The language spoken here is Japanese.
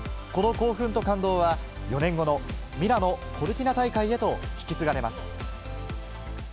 この興奮と感動は、４年後のミラノ・コルティナ大会へと引き継がれます。